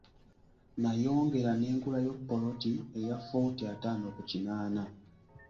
Nayongera nengulayo ppoloti eya ffuuti ataano ku kinaana.